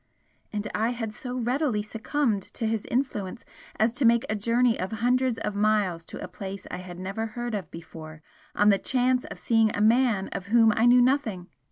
And I had so readily succumbed to his influence as to make a journey of hundreds of miles to a place I had never heard of before on the chance of seeing a man of whom I knew nothing!